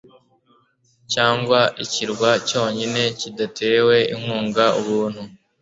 cyangwa ikirwa cyonyine, kidatewe inkunga, ubuntu